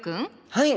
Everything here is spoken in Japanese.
はい。